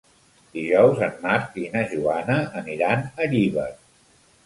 Dijous en Marc i na Joana aniran a Llíber.